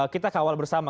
kita kawal bersama